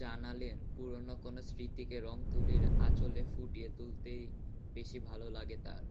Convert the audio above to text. জানালেন, পুরোনো কোনো স্মৃতিকে রংতুলির আঁচড়ে ফুটিয়ে তুলতেই বেশি ভালো লাগে তাঁর।